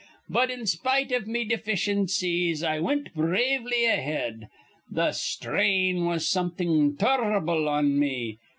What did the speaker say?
But, in spite iv me deficiencies, I wint bravely ahead. Th' sthrain was something tur r'ble on me.